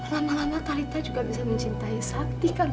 lama lama talita juga bisa mencintai sakti kan